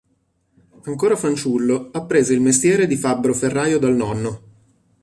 Ancora fanciullo apprese il mestiere di fabbro ferraio dal nonno.